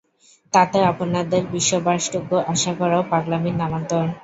তাতে আপনাদের বিশ্ববাসটুকু আশা করাও পাগলামির নামান্তর।